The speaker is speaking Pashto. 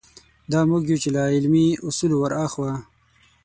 دا موږ یو چې له علمي اصولو وراخوا.